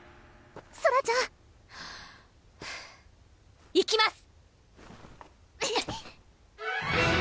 ソラちゃん！いきます！